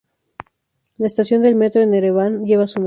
La estación de metro en Ereván lleva su nombre.